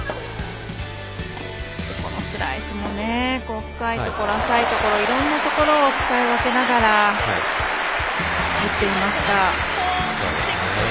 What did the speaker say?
スライスも深いところ、浅いところいろんなところを使い分けながら打っていました。